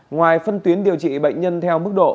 ngoài phân tuyến điều trị bệnh nhân theo mức độ